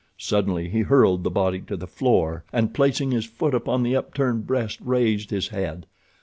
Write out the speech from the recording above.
Suddenly he hurled the body to the floor, and, placing his foot upon the upturned breast, raised his head.